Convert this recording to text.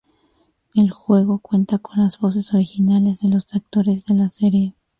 El juego cuenta con las voces originales de los actores de la serie.